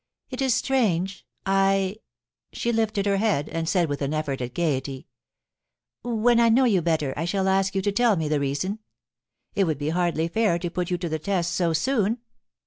* It is strange, I ' she lifted her head, and said with an effort at gaiety, * When I know you better I shall ask you to tell me the reason. It would be hardly fair to put you to the test so soon.'